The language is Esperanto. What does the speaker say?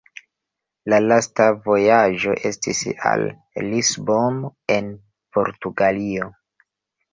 La lasta vojaĝo estis al Lisbono en Portugalio.